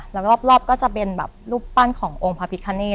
แล้วรอบก็จะเป็นแบบรูปปั้นขององค์พระพิคเนต